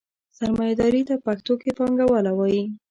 سرمایهداري ته پښتو کې پانګواله وایي.